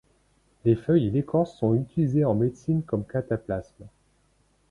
Les feuilles et l'écorce sont utilisées en médecine comme cataplasme.